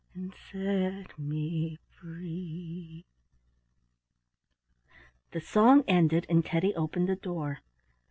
And set me free?" The song ended and Teddy opened the door.